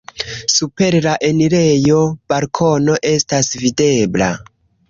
Super la enirejo balkono estas videbla.